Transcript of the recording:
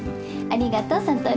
ありがとう悟。